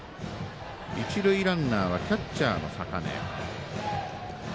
一塁ランナーはキャッチャーの坂根。